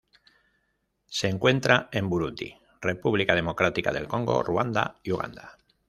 Se encuentra en Burundi, República Democrática del Congo, Ruanda y Uganda.